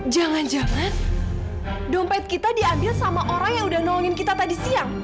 jangan jangan dompet kita diambil sama orang yang udah nolongin kita tadi siang